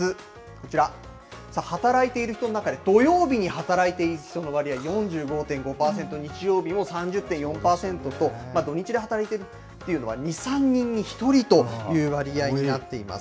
こちら、働いている人の中で、土曜日に働いている人の割合４５．５％、日曜日も３０．４％と、土日で働いているというのは、２、３人に１人という割合になっています。